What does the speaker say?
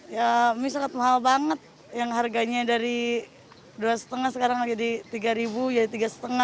ya ini sangat mahal banget yang harganya dari dua lima sekarang jadi rp tiga jadi tiga lima